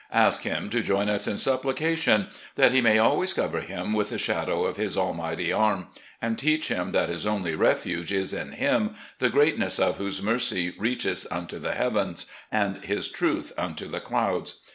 Ask him to join us in supplication that He may always cover him with the shadow of His almighty arm, and teach him that his only refuge is in Him, the greatness of whose mercy reacheth unto the heavens, and His truth unto the clouds.